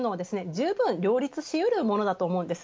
じゅうぶん両立し得るものだと思うんです。